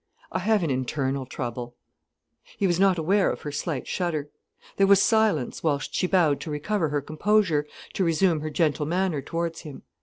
"I have an internal trouble." He was not aware of her slight shudder. There was silence, whilst she bowed to recover her composure, to resume her gentle manner towards him.